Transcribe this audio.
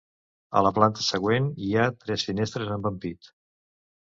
A la planta següent, hi ha tres finestres amb ampit.